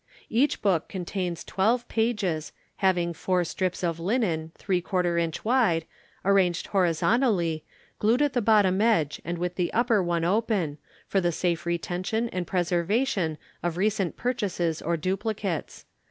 _ Each book contains 12 pages, having four strips of linen, 3/4 inch wide, arranged horizontally, glued at the bottom edge and with the upper one open, for the safe retention and preservation of recent purchases or duplicates.